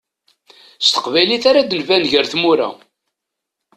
S teqbaylit ara d-nban gar tmura.